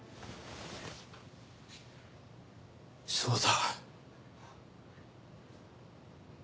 そうだ。